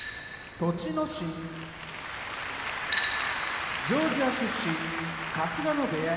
栃ノ心ジョージア出身春日野部屋